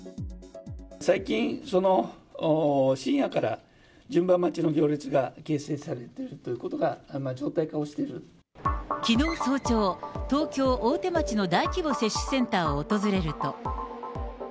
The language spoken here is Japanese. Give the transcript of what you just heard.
最近、深夜から順番待ちの行列が形成されているということが常態化をしきのう早朝、東京・大手町の大規模接種センターを訪れると。